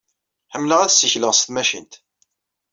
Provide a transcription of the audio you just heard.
Ḥemmleɣ ad ssikleɣ s tmacint.